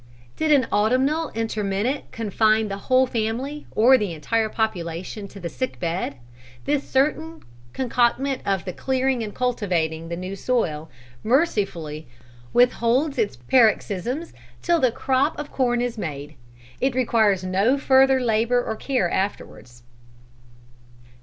Did an autumnal intermittent confine the whole family, or the entire population to the sick bed, this certain concomitant of the clearing and cultivating the new soil, mercifully withholds its paroxysms till the crop of corn is made. It requires no further labor or care afterwards.